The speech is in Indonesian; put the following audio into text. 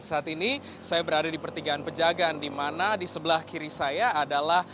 saat ini saya berada di pertigaan pejagan di mana di sebelah kiri saya adalah